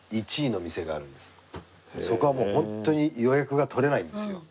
そこはもうホントに予約が取れないんですよ。